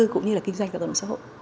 cũng như là kinh doanh và tác động xã hội